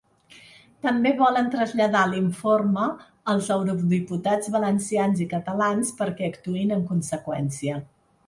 També volen traslladar l’informe als eurodiputats valencians i catalans perquè actuïn en conseqüència.